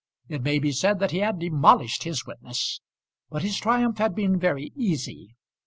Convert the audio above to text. It may be said that he had demolished his witness; but his triumph had been very easy.